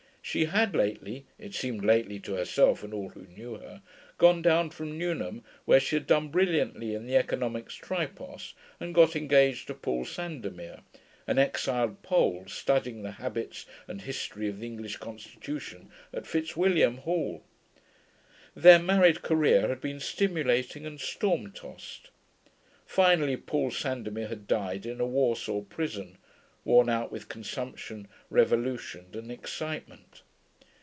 She had lately (it seemed lately to herself and all who knew her) gone down from Newnham, where she had done brilliantly in the Economics Tripos and got engaged to Paul Sandomir, an exiled Pole studying the habits and history of the English constitution at Fitzwilliam Hall. Their married career had been stimulating and storm tossed. Finally Paul Sandomir had died in a Warsaw prison, worn out with consumption, revolution, and excitement.